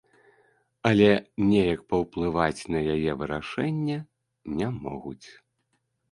Але неяк паўплываць на яе вырашэнне не могуць.